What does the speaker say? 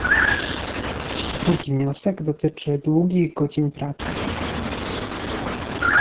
Drugi wniosek dotyczy długich godzin pracy